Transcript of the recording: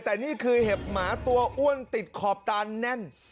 แต่นี่คือเห็บหมาตัวอ้วนติดขอบตาแน่น